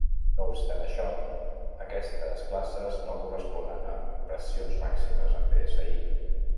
No obstant això, aquestes classes no corresponen a pressions màximes en psi.